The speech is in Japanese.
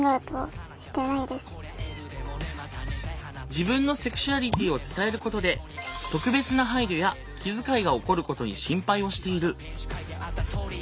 自分のセクシュアリティーを伝えることで特別な配慮や気遣いが起こることに心配をしている。